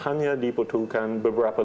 hanya diputuhkan beberapa